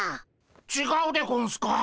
ちがうでゴンスか。